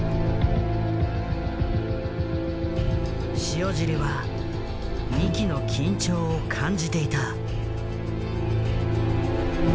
塩尻は三木の緊張を感じていた。